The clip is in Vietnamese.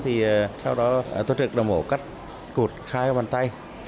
thì sau đó tuân trực đã mổ cắt cụt khai vào bàn tay